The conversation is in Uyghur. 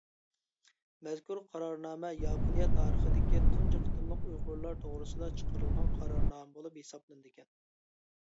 مەزكۇر قارارنامە ياپونىيە تارىخىدىكى تۇنجى قېتىملىق ئۇيغۇرلار توغرىسىدا چىقىرىلغان قارارنامە بولۇپ ھېسابلىنىدىكەن.